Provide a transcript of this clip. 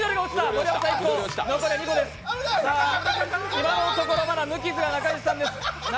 今のところ無傷な中西さんです。